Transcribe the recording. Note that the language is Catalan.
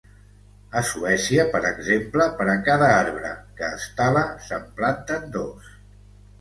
A Suècia, per exemple, per a cada arbre que es tala se'n planten dos.